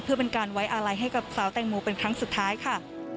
เพื่อเป็นการไว้อาลัยให้กับสาวแตงโมเป็นครั้งสุดท้ายค่ะ